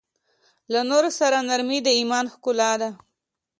له نورو سره نرمي د ایمان ښکلا ده.